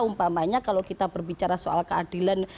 umpamanya kalau kita berbicara soal keadilan